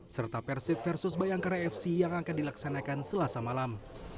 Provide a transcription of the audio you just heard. serta persib versus bayangkara fc yang akan dilaksanakan selasa malam